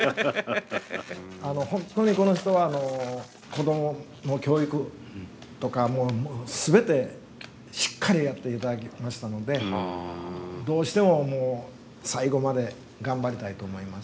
あの本当にこの人は子供の教育とかもう全てしっかりやっていただきましたのでどうしてももう最後まで頑張りたいと思います。